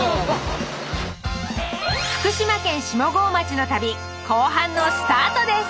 福島県下郷町の旅後半のスタートです！